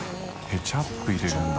ケチャップ入れるんだ。